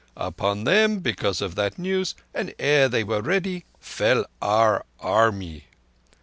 Upon them, because of that news, and ere they were ready, fell our Army."